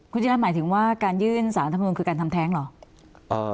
คุณจิรัตนหมายถึงว่าการยื่นสารธรรมนุนคือการทำแท้งเหรอ